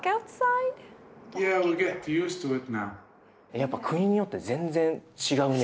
やっぱ国によって全然違うね。